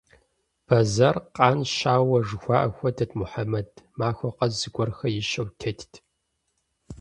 Бэзэр къан щауэ жыхуаӀэм хуэдэт Мухьэмэд: махуэ къэс зыгуэрхэр ищэу тетт.